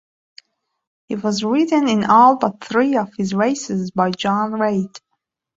He was ridden in all but three of his races by John Reid.